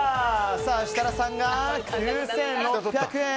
設楽さんが９６００円。